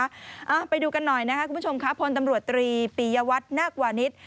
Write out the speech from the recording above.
อ่าไปดูกันหน่อยนะครับคุณผู้ชมครับพลตำรวจตรีปียวัตรนาควานิส